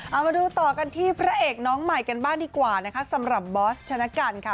เอามาดูต่อกันที่พระเอกน้องใหม่กันบ้างดีกว่านะคะสำหรับบอสชนะกันค่ะ